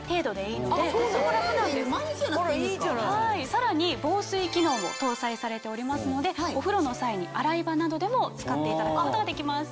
さらに防水機能も搭載されておりますのでお風呂の際に洗い場などでも使っていただくことができます。